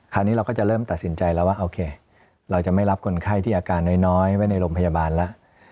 เราก็จะเริ่มตัดสินใจแล้วว่าโอเคเราจะไม่รับคนไข้ที่อาการน้อยไว้ในโรงพยาบาลแล้ว